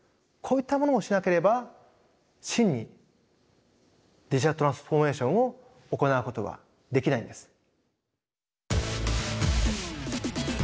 こういったものをしなければ真にデジタルトランスフォーメーションを行うことはできないんです。